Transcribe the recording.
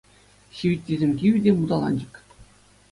Ҫивиттисем кивӗ те муталанчӑк.